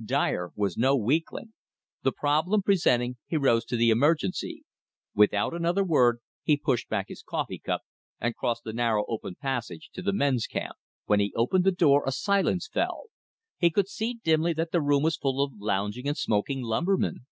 Dyer was no weakling. The problem presenting, he rose to the emergency. Without another word he pushed back his coffee cup and crossed the narrow open passage to the men's camp When he opened the door a silence fell. He could see dimly that the room was full of lounging and smoking lumbermen.